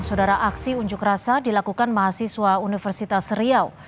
saudara aksi unjuk rasa dilakukan mahasiswa universitas riau